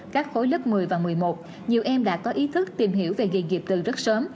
các khối lớp một mươi và một mươi một nhiều em đã có ý thức tìm hiểu về nghề nghiệp từ rất sớm